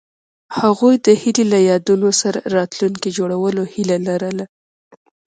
هغوی د هیلې له یادونو سره راتلونکی جوړولو هیله لرله.